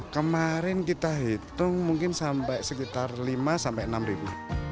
kemarin kita hitung mungkin sampai sekitar lima sampai enam ribu